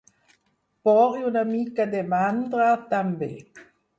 Por i una mica de mandra, també.